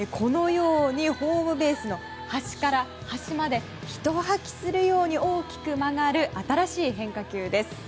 ホームベースの端から端までひとはきするように大きく曲がる新しい変化球です。